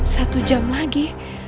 satu jam lagi